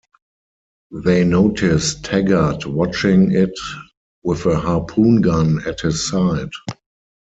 They notice Taggart watching it with a harpoon gun at his side.